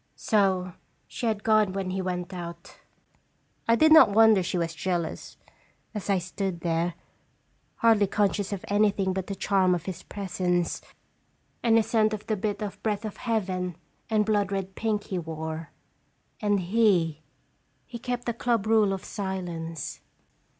" So she had gone when he went out. I did not wonder she was jealous, as I stood there, hardly conscious of anything but the charm of his presence, and the scent of the bit of breath of heaven and blood red pink he wore. And he he kept the club rule of silence.